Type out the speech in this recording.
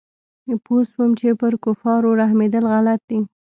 پوه سوم چې پر کفارو رحمېدل غلط دي.